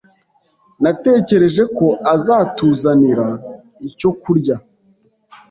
Natekereje ko azatuzanira icyo kurya.